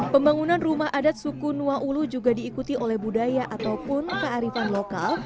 pembangunan rumah adat suku nuwa ulu juga diikuti oleh budaya ataupun kearifan lokal